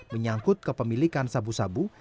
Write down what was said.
menyangkut kepemilikan sabu sabu